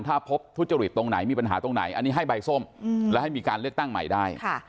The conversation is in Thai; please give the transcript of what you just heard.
ถ้าพบทุจริตตรงไหนมีปัญหาตรงไหนอันนี้ให้ใบส้มและให้มีการเลือกตั้งใหม่ได้